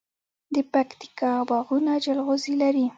د پکتیکا باغونه جلغوزي لري.